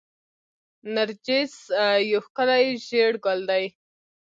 نرجس یو ښکلی ژیړ ګل دی